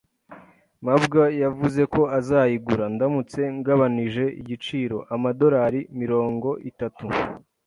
mabwa yavuze ko azayigura, ndamutse ngabanije igiciro amadolari mirongo itatu.